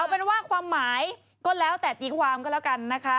เอาเป็นว่าความหมายก็แล้วแต่ตีความก็แล้วกันนะคะ